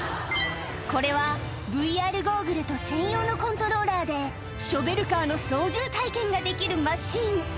これは、ＶＲゴーグルと専用のコントローラーで、ショベルカーの操縦体験ができるマシン。